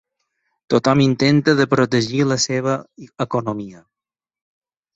Tothom intenta de protegir la seva economia.